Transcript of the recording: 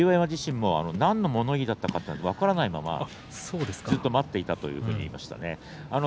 馬山自身も何の物言いだったか分からないままずっと待っていたというふうに言いました。